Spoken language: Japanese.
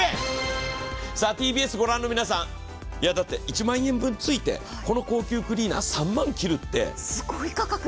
ＴＢＳを御覧の皆さん、だって１万円分ついてこの高級クリーナーが３万切るって。